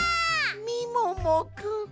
みももくん！